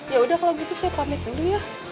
yaudah kalo gitu saya pamit dulu ya